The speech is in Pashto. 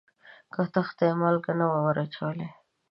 کتغ ته یې مالګه نه وه وراچولې.